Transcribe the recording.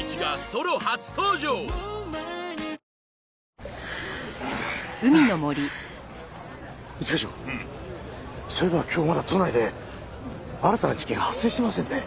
そういえば今日はまだ都内で新たな事件発生してませんね。